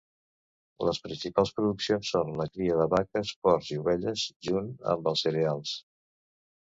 Les principals produccions són la cria de vaques, porcs i ovelles junt amb els cereals.